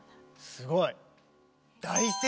すごい！